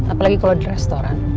apalagi kalau di restoran